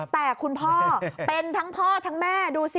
แต่คุณพ่อเป็นทั้งพ่อทั้งแม่ดูสิ